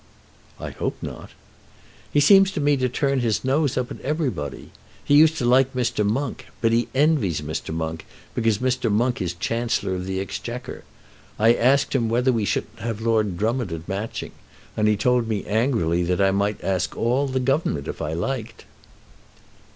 "I hope not." "He seems to me to turn his nose up at everybody. He used to like Mr. Monk; but he envies Mr. Monk, because Mr. Monk is Chancellor of the Exchequer. I asked him whether we shouldn't have Lord Drummond at Matching, and he told me angrily that I might ask all the Government if I liked."